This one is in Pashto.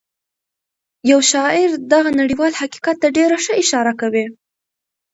یو شاعر دغه نړیوال حقیقت ته ډېره ښه اشاره کوي